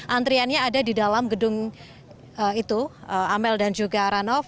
antriannya ada di dalam gedung itu amel dan juga heranov